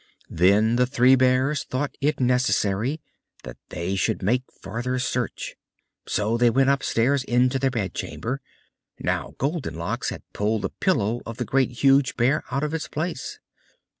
Then the Three Bears thought it necessary that they should make farther search; so they went upstairs into their bedchamber. Now Goldenlocks had pulled the pillow of the Great, Huge Bear out of its place.